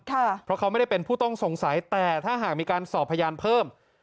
เพราะเขาไม่ได้เป็นผู้ต้องสงสัยแต่ถ้าหากมีการสอบพยานเพิ่ม